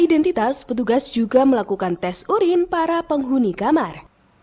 identitas petugas juga melakukan tes urin para penghuni kamar